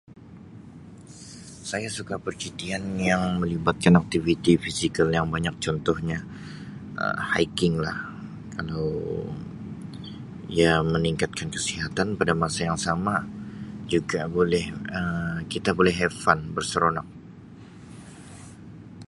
"Saya suka percutian yang melibatkan aktiviti fizikal yang banyak contohnya Um ""Hiking"" lah kalau ia meningkatkan kesihatan pada masa yang sama juga Um kita boleh ""have fun"" berseronok. "